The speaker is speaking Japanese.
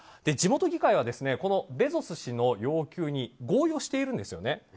地元議会はこのベゾス氏の要求に合意をしているんですね。